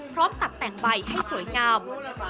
ตัดแต่งใบให้สวยงาม